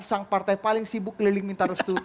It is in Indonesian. sang partai paling sibuk keliling minta restu